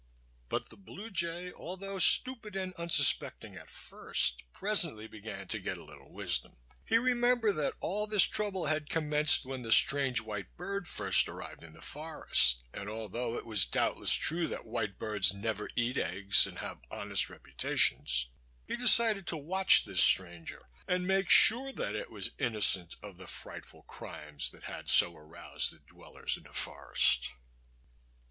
But the Blue Jay, although stupid and unsuspecting at first, presently began to get a little wisdom. He remembered that all this trouble had commenced when the strange white bird first arrived in the forest; and although it was doubtless true that white birds never eat eggs and have honest reputations, he decided to watch this stranger and make sure that it was innocent of the frightful crimes that had so aroused the dwellers in the forest.